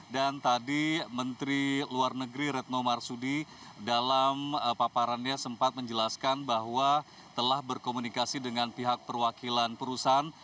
dan tadi menteri luar negeri retno marsudi dalam paparannya sempat menjelaskan bahwa telah berkomunikasi dengan pihak perwakilan perusahaan